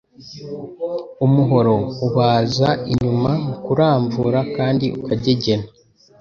Umuhoro ubaza inyuma mu kuramvura kandi ukagegena.